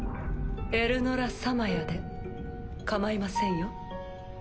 エルノラ・サマヤでかまいませんよ。